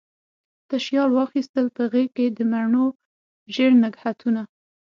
تشیال واخیستل په غیږکې، د مڼو ژړ نګهتونه